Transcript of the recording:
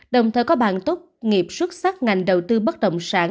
đồng thời có bàn tốt nghiệp xuất sắc ngành đầu tư bất động sản